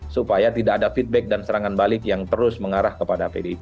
supaya tidak ada feedback dan serangan balik yang terus mengarah kepada pdip